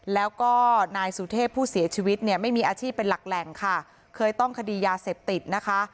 แล้วก็นายสุเทพผู้เสียชีวิตเนี่ยไม่มีอาชีพเป็นหลักแหล่งค่ะเคยต้องคดียาเสพติดนะคะ